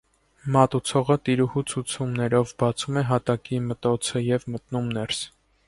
Մատուցողը, տիրուհու ցուցումներով, բացում է հատակի մտոցը և մտնում ներս։